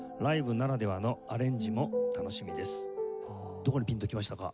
どこにピンと来ましたか？